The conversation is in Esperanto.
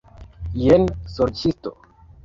Jen, sorĉisto!